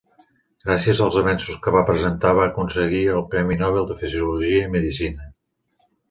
Gràcies als avenços que va presentar va aconseguir el premi Nobel de Fisiologia i Medicina.